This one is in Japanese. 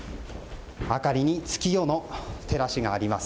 明かりに月夜の照らしがあります。